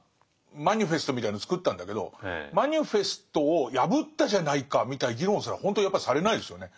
マニフェストみたいのを作ったんだけどマニフェストを破ったじゃないかみたいな議論すらほんとやっぱりされないですよね。